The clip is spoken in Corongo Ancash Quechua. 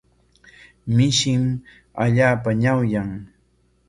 Mishim allaapa ñawyan.